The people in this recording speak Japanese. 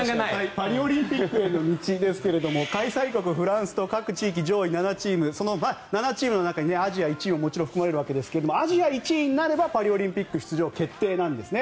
パリオリンピックへの道ですが開催国フランスと各地域上位７チームその７チームの中にアジア１位ももちろん含まれるわけですがアジア１位になればパリオリンピック出場が決定なんですね。